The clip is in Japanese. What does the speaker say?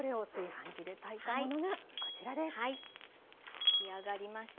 炊き上がりました。